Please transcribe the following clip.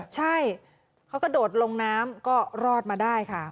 ใช่เขากระโดดลงน้ำก็รอดมาได้ค่ะ